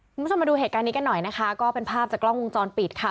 คุณผู้ชมมาดูเหตุการณ์นี้กันหน่อยนะคะก็เป็นภาพจากกล้องวงจรปิดค่ะ